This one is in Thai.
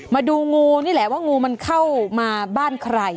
มาดูงูนี่แหละว่างูมันเข้ามาบ้านใคร